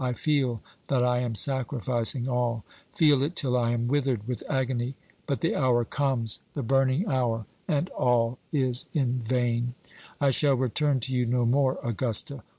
I feel that I am sacrificing all feel it till I am withered with agony; but the hour comes the burning hour, and all is in vain. I shall return to you no more, Augusta.